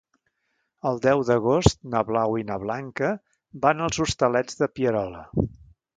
El deu d'agost na Blau i na Blanca van als Hostalets de Pierola.